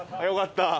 よかった。